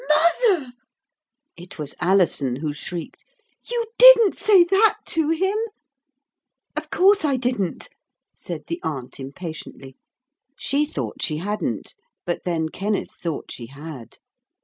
'Mother!' it was Alison who shrieked. 'You didn't say that to him?' 'Of course I didn't,' said the aunt impatiently. She thought she hadn't, but then Kenneth thought she had.